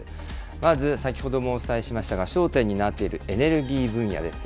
まず、先ほどもお伝えしましたが、焦点になっているエネルギー分野です。